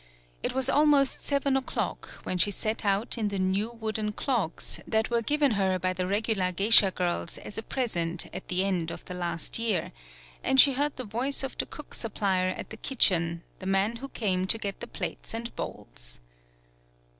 It was almost seven o'clock when she set out in the new wooden clogs that were given her by the regular geisha girls as a present at the end of the last year, and she heard the voice of the cook supplier at the kitch en, the man who came to get the plates and bowls.